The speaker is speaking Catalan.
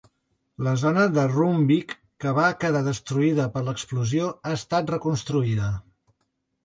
La zona de Roombeek que va quedar destruïda per l'explosió ha estat reconstruïda.